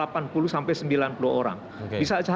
bisa saja ini tidak efektif mas